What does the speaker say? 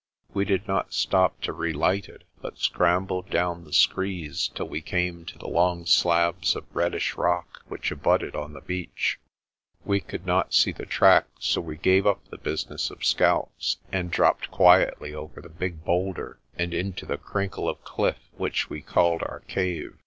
We did not stop to relight it, but scrambled down the screes till we came to the long slabs of reddish rock which abutted on the beach. We could not see the track, so we gave up the business of scouts, and dropped quietly over the big boulder and into the crinkle of cliff which we called our cave.